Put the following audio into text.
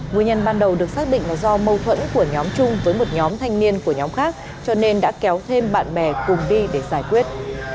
nguyên nhân ban đầu được xác định là do mâu thuẫn của nhóm trung với một nhóm thanh niên của nhóm khác cho nên đã kéo thêm bạn bè cùng đi để giải quyết